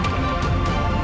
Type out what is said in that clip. saya juga akan mencintai anda